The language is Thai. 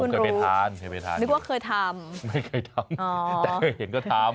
ทำไมคุณรู้นึกว่าเคยทำไม่เคยทำแต่เคยเห็นก็ทำ